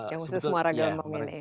yang sesuara gampang ini